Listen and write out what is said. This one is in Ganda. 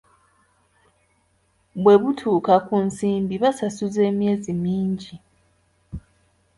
"Bwe butuuka ku nsimbi, basasuza emyezi mingi."